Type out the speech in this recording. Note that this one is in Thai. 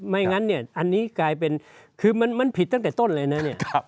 งั้นเนี่ยอันนี้กลายเป็นคือมันผิดตั้งแต่ต้นเลยนะเนี่ย